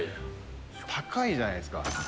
高いじゃないですか。